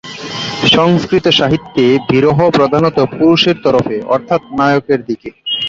সংস্কৃত সাহিত্যে বিরহ প্রধানত পুরুষের তরফে অর্থাৎ নায়কের দিকে।